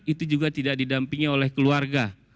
itu juga tidak didampingi oleh keluarga